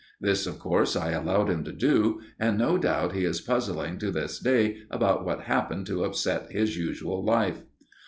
This, of course, I allowed him to do, and no doubt he is puzzling to this day about what happened to upset his usual life.